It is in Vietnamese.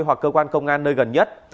hoặc cơ quan công an nơi gần nhất